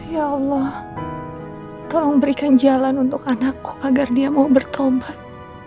ya allah tolong berikan jalan untuk anakku agar dia mau bertobat